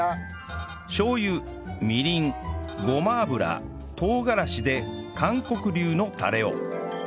しょう油みりんごま油唐辛子で韓国流のタレを